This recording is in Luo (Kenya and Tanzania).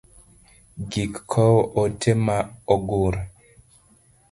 Gik kowo ote ma ogur.